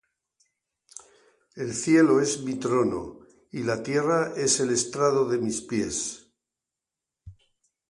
El cielo es mi trono, Y la tierra es el estrado de mis pies.